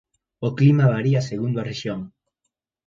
O clima varía segundo a rexión.